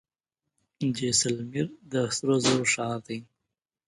جیسلمیر د سرو زرو ښار دی.